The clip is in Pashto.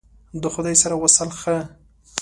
د خدای سره وصل ښه !